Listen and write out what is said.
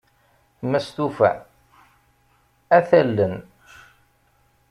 Ma stufan, ad t-allen.